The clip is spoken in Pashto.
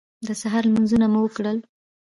د سهار لمونځونه مو وکړل.